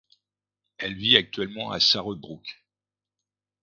Elle vit actuellement à Sarrebruck.